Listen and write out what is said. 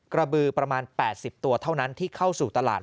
กระบือประมาณ๘๐ตัวเท่านั้นที่เข้าสู่ตลาด